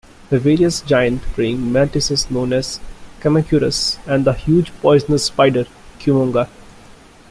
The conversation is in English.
The various giant preying mantises known as Kamacuras and the huge poisonous spider Kumonga.